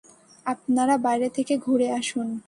আপনারা বাইরে থেকে ঘুরে আসুন।